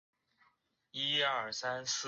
基于意大利统计局的人口普查统计。